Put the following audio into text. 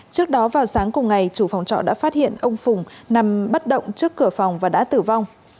trước đó vào sáng cùng ngày chủ phòng trọ đã phát hiện ông phùng nằm bất động trước cửa phòng và đã tử vong